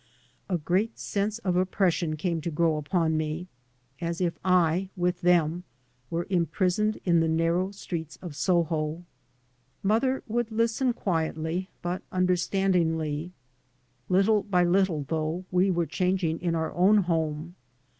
A great sense of oppression came to grow upon me, as if I, with them, were imprisoned in the narrow streets of Soho. Mother would listen quiet ly, but understandingly. Little by little, though, we were changing in our own home.